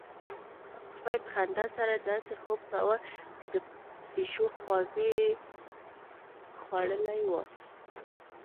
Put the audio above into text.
سپي په خندا سره داسې خوب کاوه چې د پيشو خواږه يې خوړلي وي.